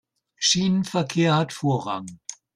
Schienenverkehr hat Vorrang.